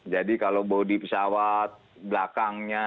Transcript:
jadi kalau bodi pesawat belakangnya